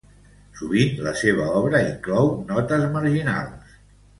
Sovint la seua obra inclou notes marginals.